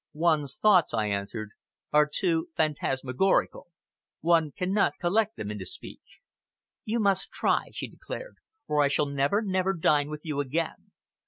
"One's thoughts," I answered, "are too phantasmagorial. One cannot collect them into speech." "You must try," she declared, "or I shall never, never dine with you again.